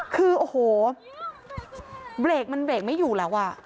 คือโอ้โหเบรกมันเบรกไม่อยู่แล้วอ่ะ